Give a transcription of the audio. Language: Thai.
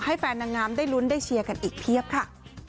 แฟนนางงามได้ลุ้นได้เชียร์กันอีกเพียบค่ะ